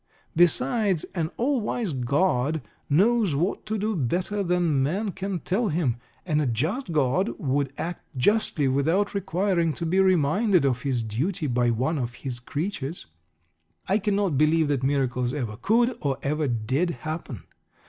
Besides, an all wise God knows what to do better than man can tell Him, and a just God would act justly without requiring to be reminded of His duty by one of His creatures. I cannot believe that miracles ever could or ever did happen.